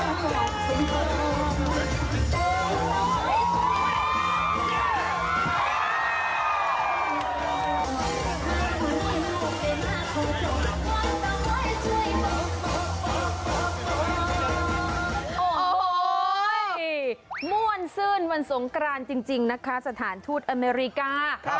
โอ้โหม่วนซื่นวันสงกรานจริงนะคะสถานทูตอเมริกา